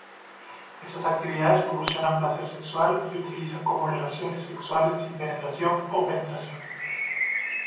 Estas actividades proporcionan placer sexual, y utiliza como relaciones sexuales sin penetración o penetración.